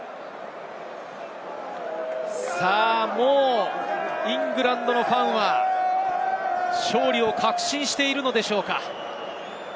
もうイングランドのファンは勝利を確信しているのでしょうか。